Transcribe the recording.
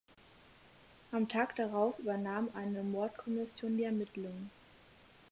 Am Tag darauf übernahm eine Mordkommission die Ermittlungen.